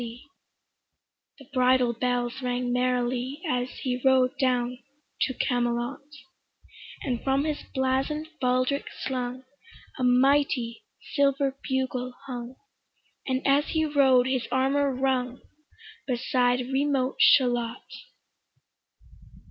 The bridle bells rang merrily As he rode down to Camelot: And from his blazon'd baldric slung A mighty silver bugle hung, And as he rode his armour rung, Beside remote Shalott.